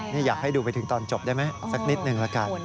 นี่อยากให้ดูไปถึงตอนจบได้ไหมสักนิดหนึ่งละกัน